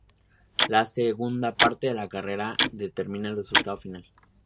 La segunda parte de la carrera determina el resultado final.